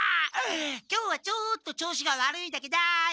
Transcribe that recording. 今日はちょっと調子が悪いだけだい！